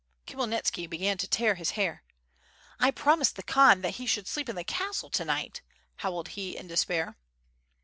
Khmyelnitski began to tear his hair. "I promised the Khan that he should sleep in the castle to night," howled he, in despair.